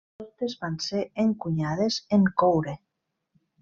Totes van ser encunyades en coure.